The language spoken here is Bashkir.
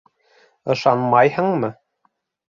— Ышанмайһыңмы?